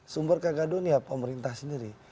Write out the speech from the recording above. sumber kegaduhan ya pemerintah sendiri